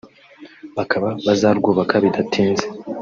bakaba bazarwubaka bidatinze